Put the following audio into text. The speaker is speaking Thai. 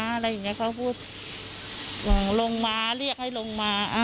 อะไรอย่างนี้เขาพูดว่าลงมาเรียกให้ลงมา